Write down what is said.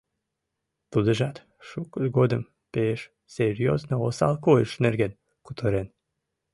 Тудыжат шукыж годым пеш серьёзно осал койыш нерген кутырен.